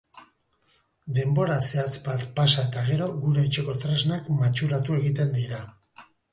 Denbora zehatz bat pasa eta gero, gure etxeko tresnak matxuratu egiten dira.